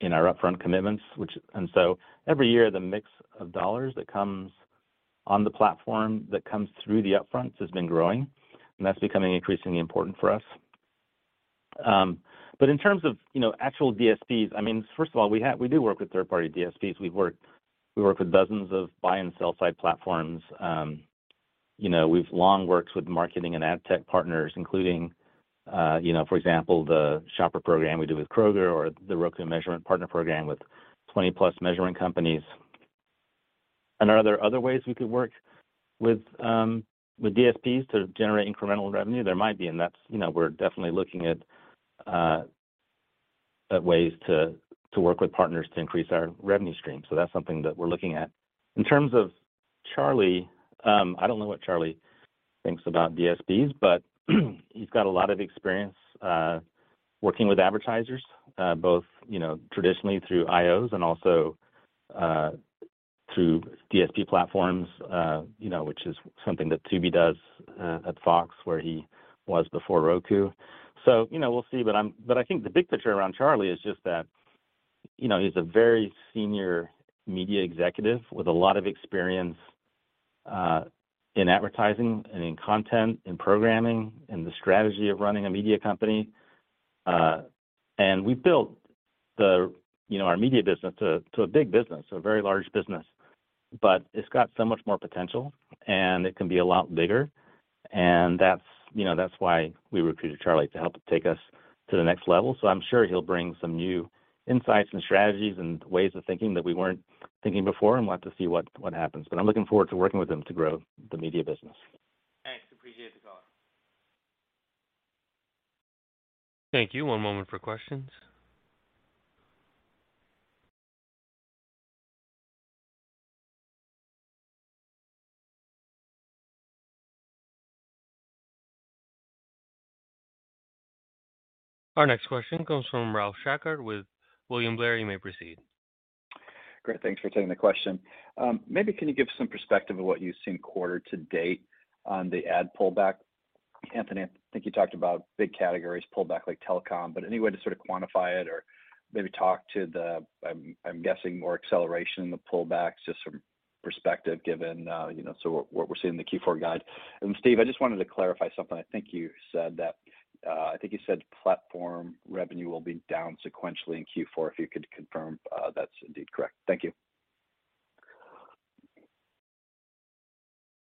in our upfront commitments, which every year, the mix of dollars that comes on the platform, that comes through the upfronts has been growing, and that's becoming increasingly important for us. But in terms of, you know, actual DSPs, I mean, first of all, we do work with third-party DSPs. We work with dozens of buy-and-sell side platforms. You know, we've long worked with marketing and ad tech partners, including, you know, for example, the shopper program we do with Kroger or the Roku Measurement Partner Program with 20-plus measuring companies. Are there other ways we could work with DSPs to generate incremental revenue? There might be, and that's, you know, we're definitely looking at ways to work with partners to increase our revenue stream. That's something that we're looking at. In terms of Charlie, I don't know what Charlie thinks about DSPs, but he's got a lot of experience, working with advertisers, both, you know, traditionally through IOs and also, through DSP platforms, you know, which is something that Tubi does, at Fox, where he was before Roku. You know, we'll see, but I think the big picture around Charlie is just that, you know, he's a very Senior Media Executive with a lot of experience, in advertising and in content, in programming, in the strategy of running a media company. We built the, you know, our media business to a big business, a very large business, but it's got so much more potential, and it can be a lot bigger. That's, you know, that's why we recruited Charlie to help take us to the next level. I'm sure he'll bring some new insights and strategies and ways of thinking that we weren't thinking before, and we'll have to see what happens. I'm looking forward to working with him to grow the media business. Thanks. Appreciate the call. Thank you. One moment for questions. Our next question comes from Ralph Schackart with William Blair. You may proceed. Great. Thanks for taking the question. Maybe can you give some perspective of what you've seen quarter-to-date on the ad pullback? Anthony, I think you talked about big categories pullback like telecom, but any way to sort of quantify it or maybe talk to the, I'm guessing, more acceleration in the pullbacks, just from perspective given, so what we're seeing in the Q4 guide. Steve, I just wanted to clarify something. I think you said platform revenue will be down sequentially in Q4. If you could confirm that's indeed correct? Thank you.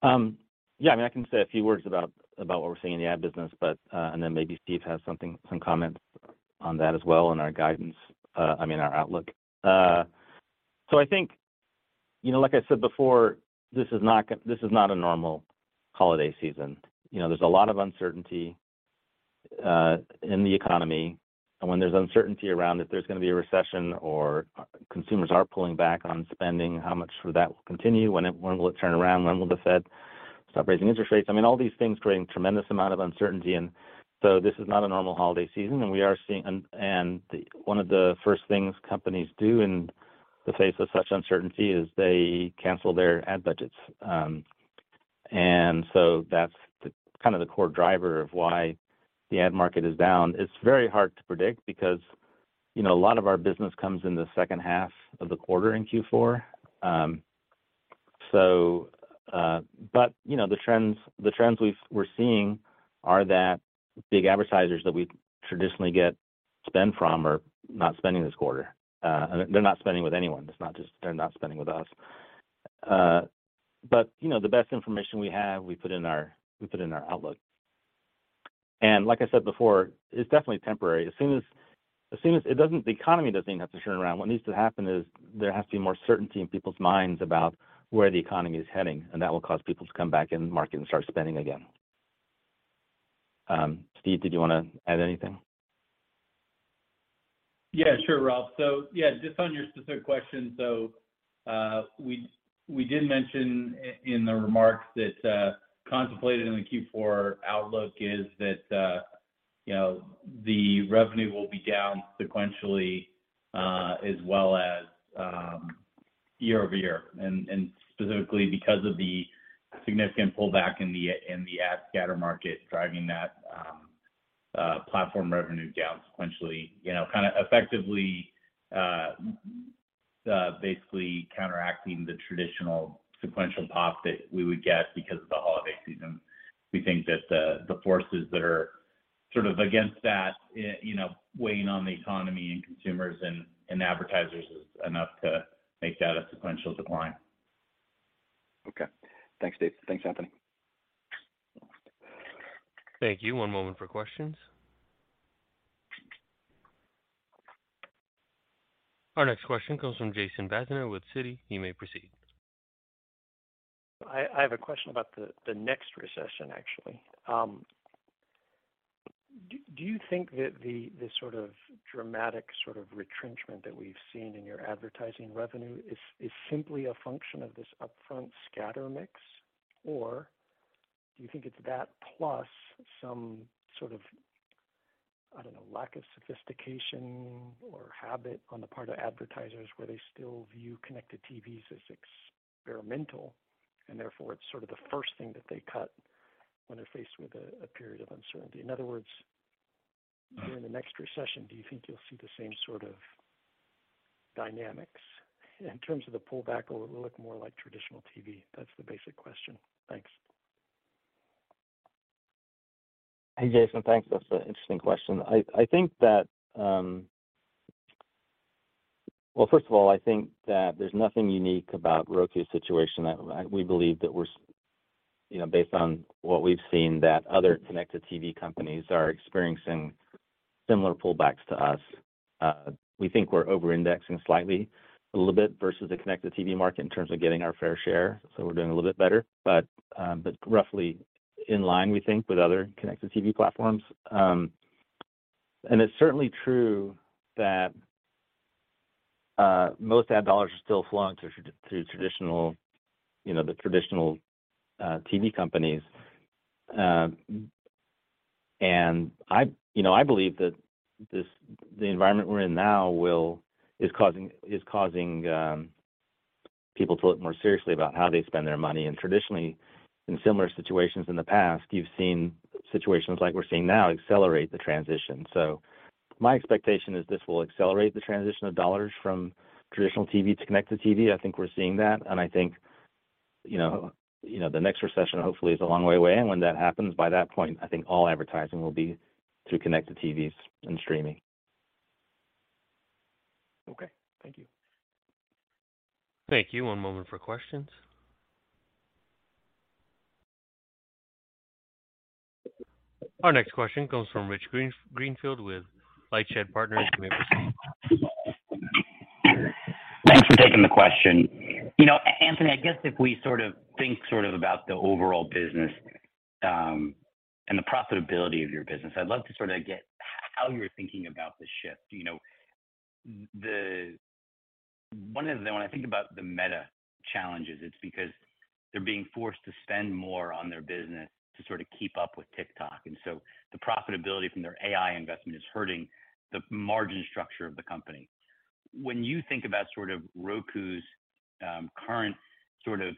Yeah, I mean, I can say a few words about what we're seeing in the ad business, but and then maybe Steve has some comments on that as well in our guidance, I mean, our outlook. I think, you know, like I said before, this is not a normal holiday season. There's a lot of uncertainty in the economy. When there's uncertainty around if there's gonna be a recession or consumers are pulling back on spending, how much of that will continue, when will it turn around, when will the Fed stop raising interest rates? I mean, all these things create a tremendous amount of uncertainty. This is not a normal holiday season, and we are seeing. One of the first things companies do in the face of such uncertainty is they cancel their ad budgets. That's the kind of the core driver of why the ad market is down. It's very hard to predict because, you know, a lot of our business comes in the second half of the quarter in Q4. You know, the trends we're seeing are that big advertisers that we traditionally get spend from are not spending this quarter. They're not spending with anyone. It's not just they're not spending with us. You know, the best information we have, we put in our outlook. Like I said before, it's definitely temporary. As soon as the economy doesn't even have to turn around. What needs to happen is there has to be more certainty in people's minds about where the economy is heading, and that will cause people to come back in the market and start spending again. Steve, did you wanna add anything? Yeah, sure, Ralph. Yeah, just on your specific question. We did mention in the remarks that, contemplated in the Q4 outlook, is that you know, the revenue will be down sequentially as well as year-over-year, and specifically because of the significant pullback in the ad scatter market driving that platform revenue down sequentially. You know, kinda effectively. Basically counteracting the traditional sequential pop that we would get because of the holiday season. We think that the forces that are sort of against that, you know, weighing on the economy, and consumers, and advertisers is enough to make that a sequential decline. Okay. Thanks, Steve. Thanks, Anthony. Thank you. One moment for questions. Our next question comes from Jason Bazinet with Citi. You may proceed. I have a question about the next recession, actually. Do you think that the sort of dramatic retrenchment that we've seen in your advertising revenue is simply a function of this upfront scatter mix? Or do you think it's that plus some sort of, I don't know, lack of sophistication or habit on the part of advertisers where they still view connected TVs as experimental and therefore it's sort of the first thing that they cut when they're faced with a period of uncertainty? In other words. During the next recession, do you think you'll see the same sort of dynamics in terms of the pullback, or will it look more like traditional TV? That's the basic question. Thanks. Hey, Jason. Thanks. That's an interesting question. I think that, well, first of all, I think that there's nothing unique about Roku's situation that we believe that we're, you know, based on what we've seen, that other connected TV companies are experiencing similar pullbacks to us. We think we're over-indexing slightly a little bit versus the connected TV market in terms of getting our fair share, so we're doing a little bit better. Roughly in line, we think, with other connected TV platforms. It's certainly true that most ad dollars are still flowing to traditional, you know, the traditional TV companies. You know, believe that this, the environment we're in now is causing people to look more seriously about how they spend their money. Traditionally, in similar situations in the past, you've seen situations like we're seeing now accelerate the transition. My expectation is this will accelerate the transition of dollars from traditional TV to connected TV. I think we're seeing that, and I think, you know, the next recession hopefully is a long way away. When that happens, by that point, I think all advertising will be through connected TVs and streaming. Okay. Thank you. Thank you. One moment for questions. Our next question comes from Rich Greenfield with Lightshed Partners. You may proceed. Thanks for taking the question. You know, Anthony, I guess if we sort of think sort of about the overall business, and the profitability of your business, I'd love to sort of get how you're thinking about the shift. You know, when I think about the Meta challenges, it's because they're being forced to spend more on their business to sort of keep up with TikTok, and so the profitability from their AI investment is hurting the margin structure of the company. When you think about sort of Roku's current sort of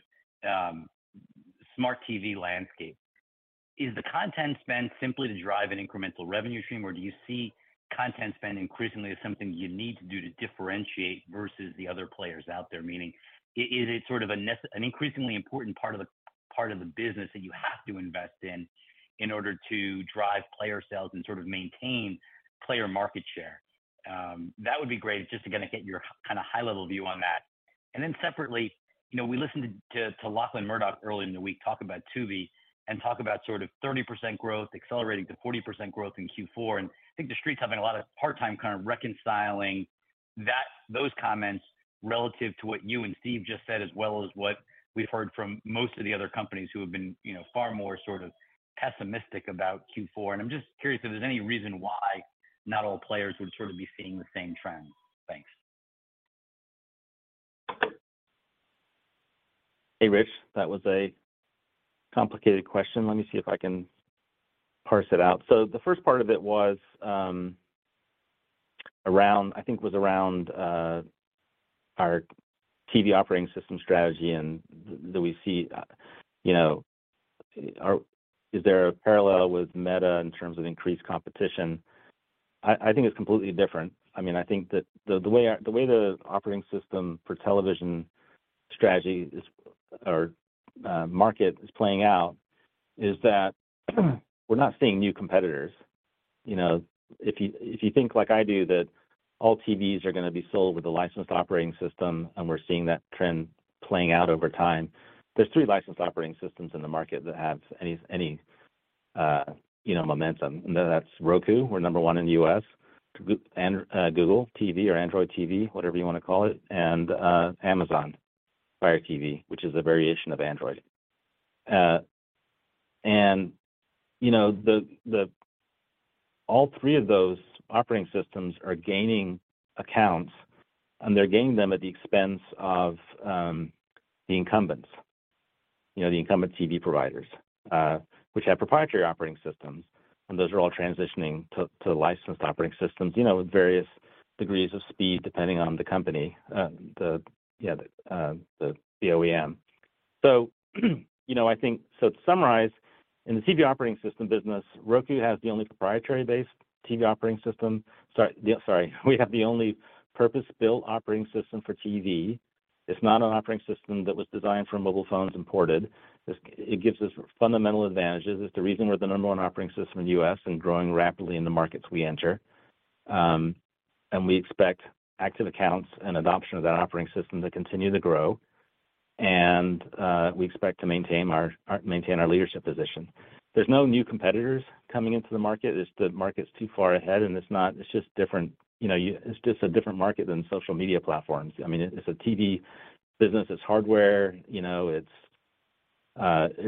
smart TV landscape, is the content spend simply to drive an incremental revenue stream, or do you see content spend increasingly as something you need to do to differentiate versus the other players out there? Meaning, is it sort of an increasingly important part of the business that you have to invest in in order to drive player sales and sort of maintain player market share? That would be great, just to kinda get your kinda high-level view on that. Then separately, you know, we listened to Lachlan Murdoch earlier in the week talk about Tubi and talk about sort of 30% growth accelerating to 40% growth in Q4. I think the Street's having a hard time kind of reconciling that, those comments relative to what you and Steve just said, as well as what we've heard from most of the other companies who have been, you know, far more sort of pessimistic about Q4. I'm just curious if there's any reason why not all players would sort of be seeing the same trend. Thanks. Hey, Rich. That was a complicated question. Let me see if I can parse it out. The first part of it was around, I think, our TV operating system strategy, and do we see you know, is there a parallel with Meta in terms of increased competition? I think it's completely different. I mean, I think that the way the operating system for television strategy or market is playing out is that we're not seeing new competitors. You know, if you think like I do that all TVs are gonna be sold with a licensed operating system, and we're seeing that trend playing out over time. There are three licensed operating systems in the market that have any you know, momentum. That's Roku, we're number one in the US, Google TV or Android TV, whatever you wanna call it, and Amazon Fire TV, which is a variation of Android. All three of those operating systems are gaining accounts, and they're gaining them at the expense of the incumbents. The incumbent TV providers, which have proprietary operating systems, and those are all transitioning to licensed operating systems, with various degrees of speed depending on the company, the OEM. To summarize, in the TV operating system business, Roku has the only proprietary-based TV operating system. We have the only purpose-built operating system for TV. It's not an operating system that was designed for mobile phones and ported. It gives us fundamental advantages. It's the reason we're the number one operating system in the U.S. and growing rapidly in the markets we enter. We expect active accounts and adoption of that operating system to continue to grow. We expect to maintain our leadership position. There's no new competitors coming into the market. The market's too far ahead. It's just different. You know, it's just a different market than social media platforms. I mean, it's a TV business, it's hardware. You know, it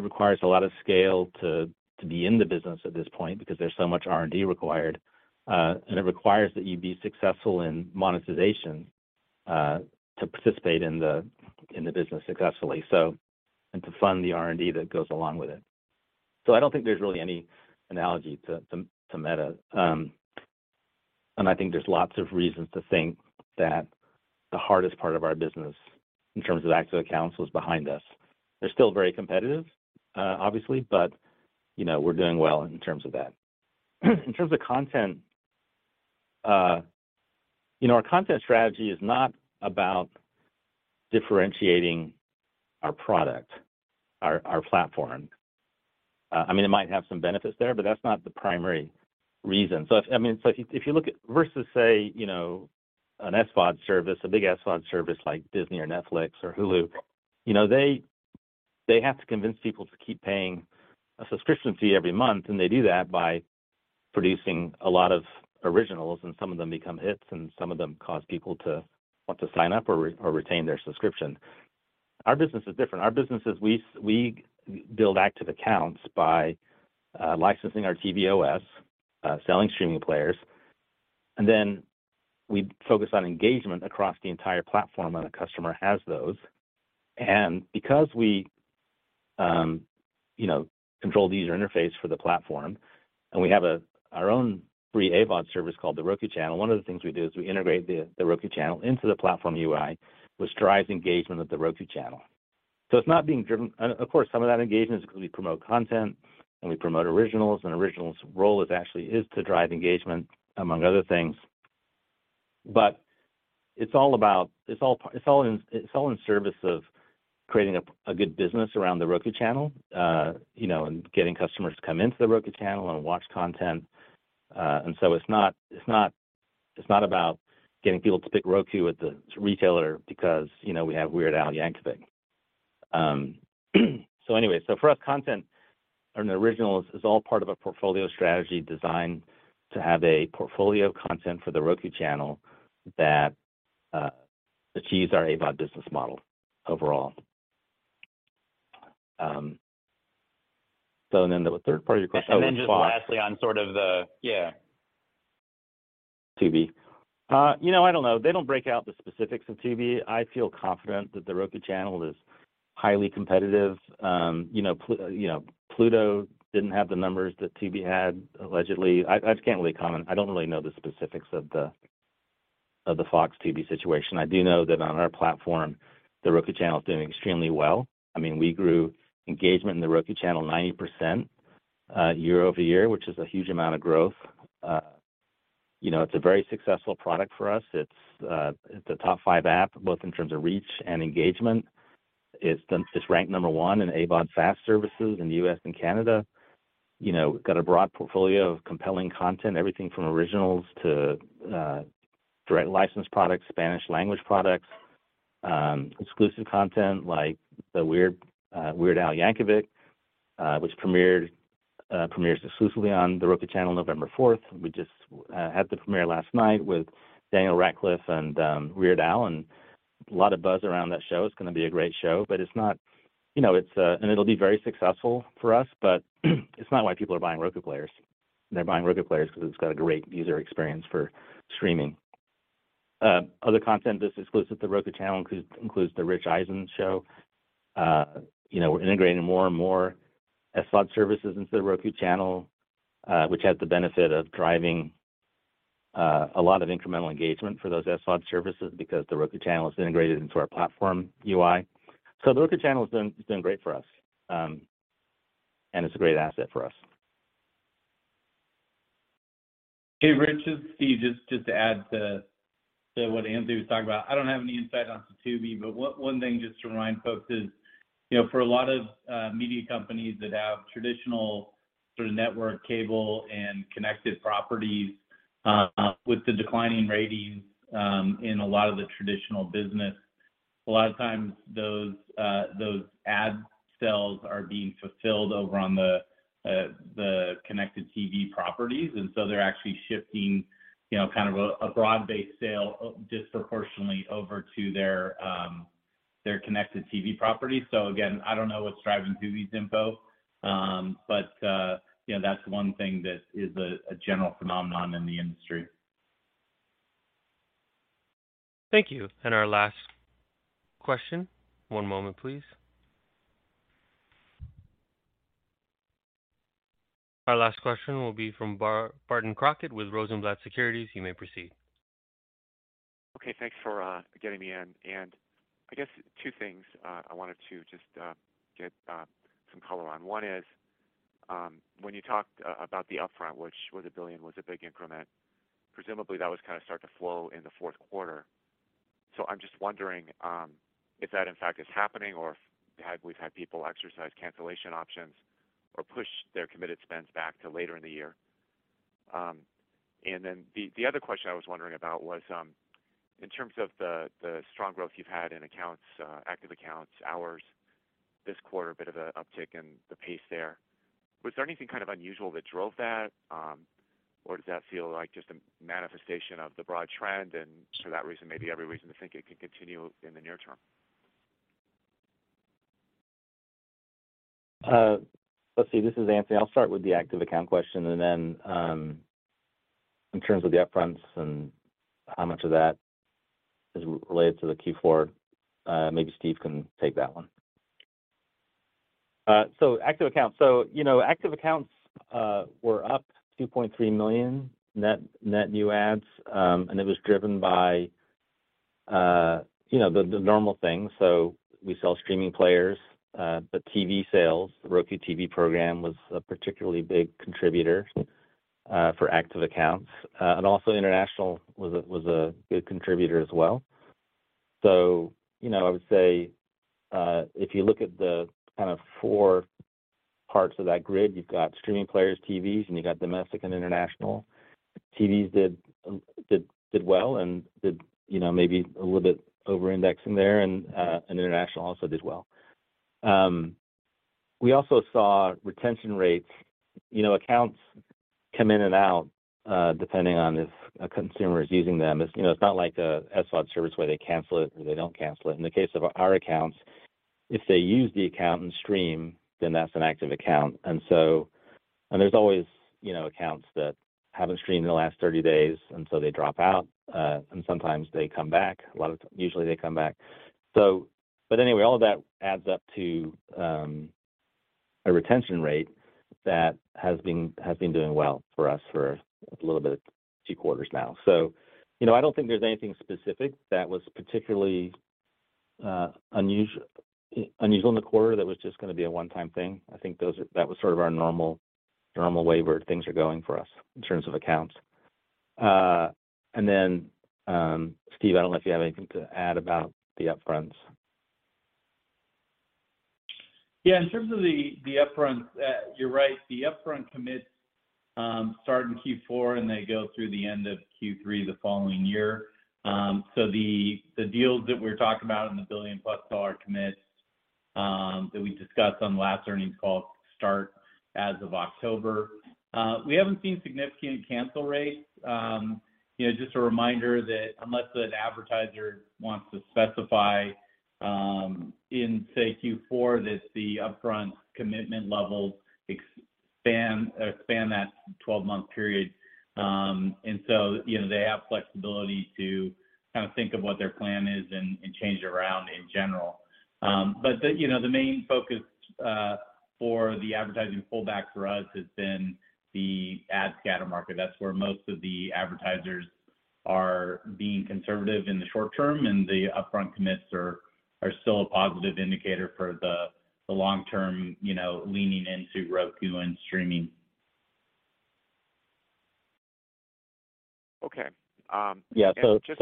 requires a lot of scale to be in the business at this point because there's so much R&D required. It requires that you be successful in monetization to participate in the business successfully, and to fund the R&D that goes along with it. I don't think there's really any analogy to Meta. I think there's lots of reasons to think that the hardest part of our business, in terms of active accounts, was behind us. They're still very competitive, obviously, but, you know, we're doing well in terms of that. In terms of content, you know, our content strategy is not about differentiating our product, our platform. I mean, it might have some benefits there, but that's not the primary reason. I mean, if you look at versus say, you know, an SVOD service, a big SVOD service like Disney or Netflix or Hulu, you know, they have to convince people to keep paying a subscription fee every month, and they do that by producing a lot of originals, and some of them become hits, and some of them cause people to want to sign up or retain their subscription. Our business is different. Our business is we build active accounts by licensing our Roku OS, selling streaming players, and then we focus on engagement across the entire platform when a customer has those. Because we, you know, control the user interface for the platform, and we have our own free AVOD service called The Roku Channel, one of the things we do is we integrate The Roku Channel into the platform UI, which drives engagement with The Roku Channel. It's not being driven. Of course, some of that engagement is because we promote content and we promote originals, and originals' role is actually to drive engagement, among other things. It's all in service of creating a good business around The Roku Channel, you know, and getting customers to come into The Roku Channel and watch content. It's not about getting people to pick Roku at the retailer because, you know, we have Weird. For us, content and originals is all part of a portfolio strategy designed to have a portfolio content for The Roku Channel that achieves our AVOD business model overall. And then the third part of your question. Yeah. Tubi. You know, I don't know. They don't break out the specifics of Tubi. I feel confident that The Roku Channel is highly competitive. You know, Pluto didn't have the numbers that Tubi had, allegedly. I just can't really comment. I don't really know the specifics of the Fox Tubi situation. I do know that on our platform, The Roku Channel is doing extremely well. I mean, we grew engagement in The Roku Channel 90%, year-over-year, which is a huge amount of growth. You know, it's a very successful product for us. It's a top five app, both in terms of reach and engagement. It's ranked number one in AVOD FAST services in the U.S. and Canada. You know, got a broad portfolio of compelling content, everything from originals to direct license products, Spanish language products, exclusive content like the Weird Al Yankovic, which premiered exclusively on The Roku Channel November fourth. We just had the premiere last night with Daniel Radcliffe and Weird Al, and a lot of buzz around that show. It's gonna be a great show. It's not, you know, it's. It'll be very successful for us, but it's not why people are buying Roku players. They're buying Roku players because it's got a great user experience for streaming. Other content that's exclusive to Roku Channel includes The Rich Eisen Show. You know, we're integrating more and more SVOD services into The Roku Channel, which has the benefit of driving a lot of incremental engagement for those SVOD services because The Roku Channel is integrated into our platform UI. The Roku Channel has been great for us. It's a great asset for us. Hey, Rich, it's Steve. Just to add to what Anthony was talking about. I don't have any insight on Tubi, but one thing just to remind folks is, you know, for a lot of media companies that have traditional sort of network cable and connected properties, with the declining ratings, in a lot of the traditional business, a lot of times those ad sales are being fulfilled over on the connected TV properties. They're actually shifting, you know, kind of a broad-based sale disproportionately over to their connected TV properties. Again, I don't know what's driving Tubi's inflow, but, you know, that's one thing that is a general phenomenon in the industry. Thank you. Our last question. One moment, please. Our last question will be from Barton Crockett with Rosenblatt Securities. You may proceed. Okay, thanks for getting me in. I guess two things I wanted to just get some color on. One is, when you talked about the upfront, which was $1 billion, was a big increment, presumably that was kinda start to flow in the fourth quarter. I'm just wondering if that in fact is happening, or if we've had people exercise cancellation options or push their committed spends back to later in the year. Then the other question I was wondering about was, in terms of the strong growth you've had in active accounts, hours this quarter, a bit of an uptick in the pace there. Was there anything kind of unusual that drove that, or does that feel like just a manifestation of the broad trend and for that reason, maybe every reason to think it could continue in the near term? This is Anthony. I'll start with the active account question and then, in terms of the upfronts and how much of that is related to the Q4, maybe Steve can take that one. Active accounts. You know, active accounts were up 2.3 million net new adds, and it was driven by, you know, the normal things. We sell streaming players, but TV sales, the Roku TV program was a particularly big contributor for active accounts. Also international was a good contributor as well. You know, I would say, if you look at the kind of four parts of that grid, you've got streaming players, TVs, and you've got domestic and international. TVs did well and, you know, maybe a little bit over indexing there and international also did well. We also saw retention rates. You know, accounts come in and out depending on if a consumer is using them. It's, you know, it's not like a SVOD service where they cancel it or they don't cancel it. In the case of our accounts, if they use the account and stream, then that's an active account. There's always, you know, accounts that haven't streamed in the last 30 days, and so they drop out, and sometimes they come back. Usually, they come back. Anyway, all of that adds up to a retention rate that has been doing well for us for a little bit, two quarters now. You know, I don't think there's anything specific that was particularly unusual in the quarter that was just gonna be a one-time thing. I think that was sort of our normal way where things are going for us in terms of accounts. Steve, I don't know if you have anything to add about the upfronts. Yeah. In terms of the upfront, you're right. The upfront commits start in Q4, and they go through the end of Q3 the following year. The deals that we're talking about in the $1 billion-plus commits that we discussed on the last earnings call start as of October. We haven't seen significant cancel rates. You know, just a reminder that unless an advertiser wants to specify, in, say, Q4, that the upfront commitment level expand that 12-month period. You know, they have flexibility to kind of think of what their plan is and change it around in general. But you know, the main focus for the advertising pullback for us has been the ad scatter market. That's where most of the advertisers are being conservative in the short term, and the upfront commits are still a positive indicator for the long-term, you know, leaning into Roku and streaming. Okay. Yeah.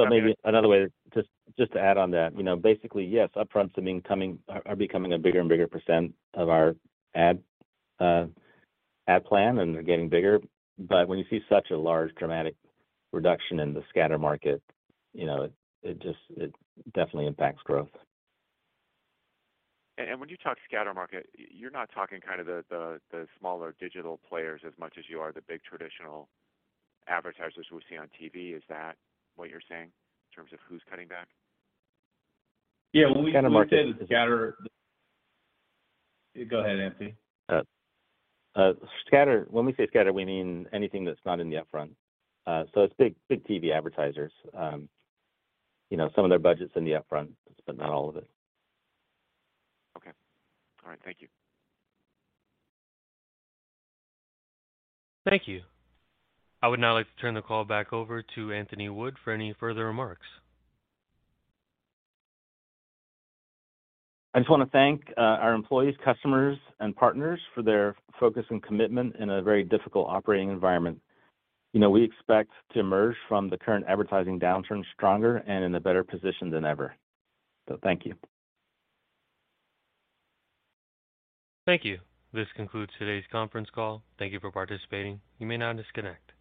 Maybe another way to just to add on that. You know, basically, yes, upfronts are becoming a bigger and bigger percent of our ad plan, and they're getting bigger. When you see such a large dramatic reduction in the scatter market, you know, it just definitely impacts growth. When you talk scatter market, you're not talking kind of the smaller digital players as much as you are the big traditional advertisers we see on TV. Is that what you're saying in terms of who's cutting back? Yeah. Scatter market. Go ahead, Anthony. When we say scatter, we mean anything that's not in the upfront. It's big TV advertisers. You know, some of their budget's in the upfront, but not all of it. Okay. All right. Thank you. Thank you. I would now like to turn the call back over to Anthony Wood for any further remarks. I just wanna thank our employees, customers, and partners for their focus and commitment in a very difficult operating environment. You know, we expect to emerge from the current advertising downturn stronger and in a better position than ever. Thank you. Thank you. This concludes today's conference call. Thank you for participating. You may now disconnect.